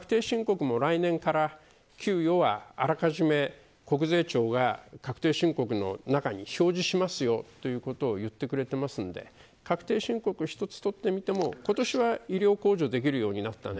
確定申告も来年から給与は、あらかじめ国税庁が確定申告の中に表示しますよ、ということを言ってくれていますので確定申告一つ取ってみても今年は医療控除できるようになったね。